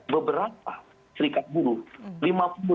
beberapa serikat buruh